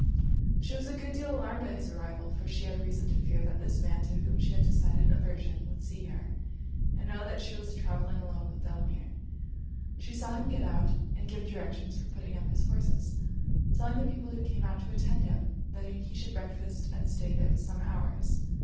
She was a good deal alarmed at his arrival: for she had reason to fear, that this man, to whom she had a decided aversion, would see her, and know that she was travelling alone with Delamere. She saw him get out, and give directions for putting up his horses, telling the people who came out to attend him that he should breakfast and stay there some hours.